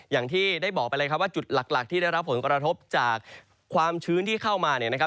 อย่างที่ได้บอกไปเลยว่าจุดหลักที่ได้รับผลกระทบจากความชื้นที่เข้ามา